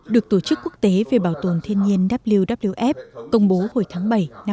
được tổ chức quốc tế về bảo tồn thiên nhiên wwf công bố hồi tháng bảy năm hai nghìn hai mươi